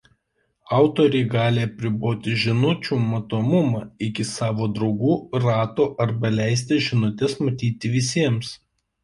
Autoriai gali apriboti žinučių matomumą iki savo draugų rato arba leisti žinutes matyti visiems.